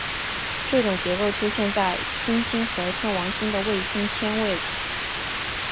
这种结构出现在金星和天王星的卫星天卫五。